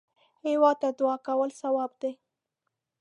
هېواد ته دعا کول ثواب دی